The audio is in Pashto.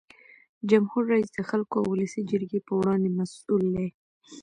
جمهور رئیس د خلکو او ولسي جرګې په وړاندې مسؤل دی.